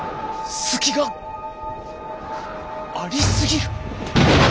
隙がありすぎる！